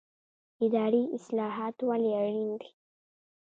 اداري اصلاحات ولې اړین دي؟